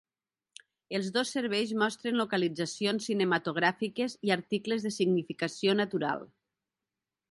Els dos serveis mostren localitzacions cinematogràfiques i articles de significació natural.